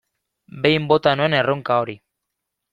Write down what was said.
Behin bota nuen erronka hori.